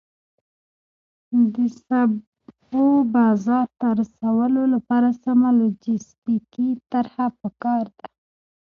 د سبو بازار ته رسولو لپاره سمه لوجستیکي طرحه پکار ده.